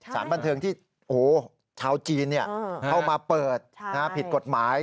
สารบันเทิงที่ชาวจีนเข้ามาเปิดผิดกฎหมาย